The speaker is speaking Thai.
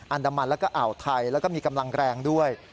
อันดามันแล้วก็อ่าวไทยแล้วก็มีกำลังแรงด้วย